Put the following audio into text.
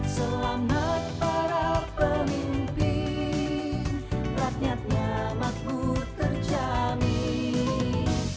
selamat para pemimpin ratnyatnya maku terjamin